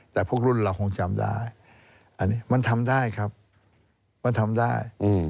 แต่พวกรุ่นเราคงจำได้อันนี้มันทำได้ครับมันทำได้